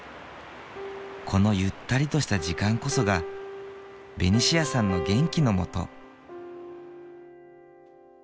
このゆったりとした時間こそがベニシアさんの元気の素。